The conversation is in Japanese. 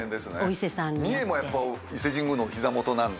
三重も伊勢神宮のお膝元なんで。